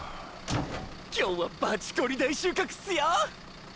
今日はバチコリ大収穫っすよ！